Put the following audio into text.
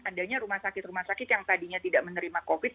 adanya rumah sakit rumah sakit yang tadinya tidak menerima covid